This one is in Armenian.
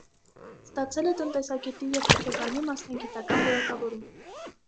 Ստացել է տնտեսագետի և հոգեբանի մասնագիտական որակավորում։